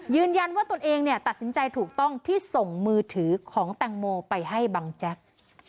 ตนเองตัดสินใจถูกต้องที่ส่งมือถือของแตงโมไปให้บังแจ๊ก